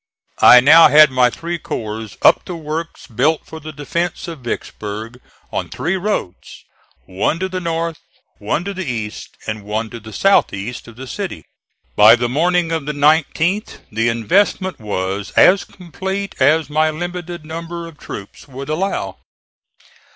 I now had my three corps up the works built for the defence of Vicksburg, on three roads one to the north, one to the east and one to the south east of the city. By the morning of the 19th the investment was as complete as my limited number of troops would allow.